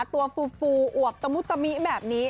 ตัวฟูอวกตะมูตะมีแบบนี้